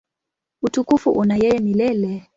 Utukufu una yeye milele.